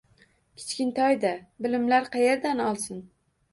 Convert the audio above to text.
Kichkintoyda bilimlar qayerdan olsin.